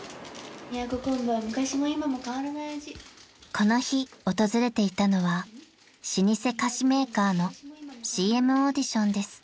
［この日訪れていたのは老舗菓子メーカーのＣＭオーディションです］